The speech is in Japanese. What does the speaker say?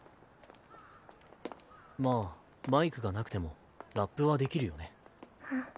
まあマイクがなくてもラップはできるよね。